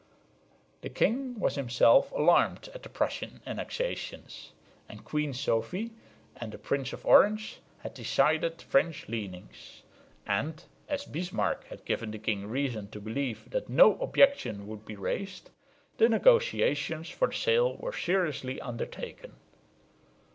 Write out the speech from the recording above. The king was himself alarmed at the Prussian annexations, and Queen Sophie and the Prince of Orange had decided French leanings; and, as Bismarck had given the king reason to believe that no objection would be raised, the negotiations for the sale were seriously undertaken.